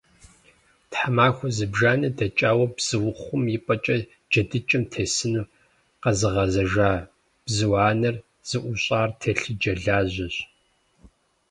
Тхьэмахуэ зыбжанэ дэкӀауэ бзуухъум и пӀэкӀэ джэдыкӀэм тесыну къэзыгъэзэжа бзу анэр зыӀущӀар телъыджэ лажьэщ.